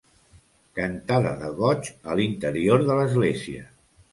Cantada de goig a l'Interior de l'església.